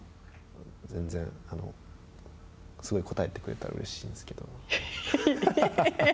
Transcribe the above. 全然すごい答えてくれたらうれしいんですけど。